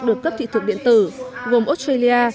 được cấp thị thực điện tử gồm australia